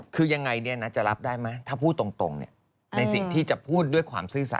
คือยังไงจะรับได้ไหมถ้าพูดตรงในสิ่งที่จะพูดด้วยความซื่อสัต